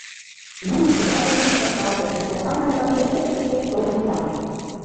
Нуным чодыра корно гыч вашталте, кожла марий-влак ынде, кум кече лиеш, толмым чарнышт.